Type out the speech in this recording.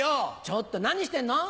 ちょっと何してんの。